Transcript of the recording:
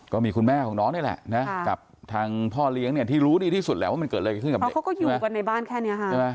ก็มีคุณแม่ของน้องนั่นละกับทางพ่อเลี้ยงเนี้ยที่รู้ดีที่สุดแล้วว่ามันเกิดอะไรกับเพราะเขาก็อยู่กับในบ้านแค่เนี้ยค่ะ